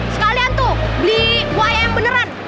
sekalian tuh beli buaya yang beneran